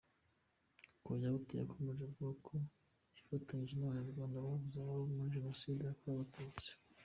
Coyault yakomeje avuga ko yifatanyije n’Abanyarwanda babuze ababo muri Jenoside yakorewe Abatutsi.